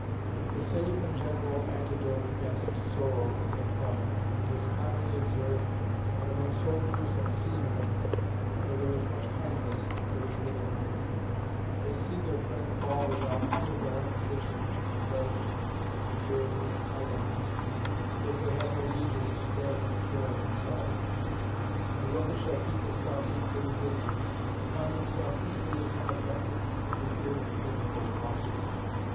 The safe and general antidote against sorrow is employ ment. It is commonly observed, that among soldiers and seamen, though there is much kindness, there is little grief; they see their friend fall without any of that lamentation which is indulged in security and idleness, because they have no leisure to spare from the care of themselves ; and whoever shall keep his thoughts equally busy, will find himself equally unaffected with irretrievable losses.